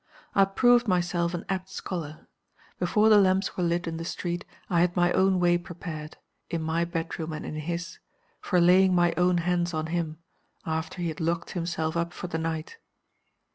I proved myself an apt scholar. Before the lamps were lit in the street I had my own way prepared (in my bedroom and in his) for laying my own hands on him after he had locked himself up for the night.